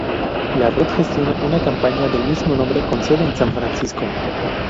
La red la gestiona una compañía del mismo nombre con sede en San Francisco.